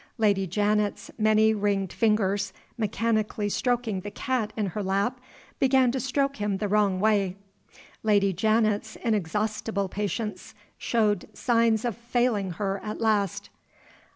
Lady Janet's many ringed fingers, mechanically stroking the cat in her lap, began to stroke him the wrong way. Lady Janet's inexhaustible patience showed signs of failing her at last.